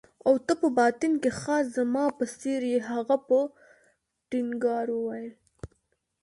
او ته په باطن کې خاص زما په څېر يې. هغه په ټینګار وویل.